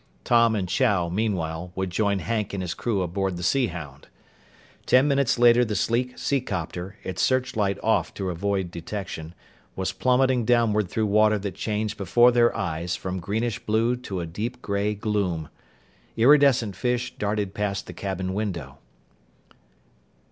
Tom and Chow, meanwhile, would join Hank and his crew aboard the Sea Hound. Ten minutes later the sleek seacopter, its searchlight off to avoid detection, was plummeting downward through water that changed before their eyes from greenish blue to a deep gray gloom. Iridescent fish darted past the cabin window.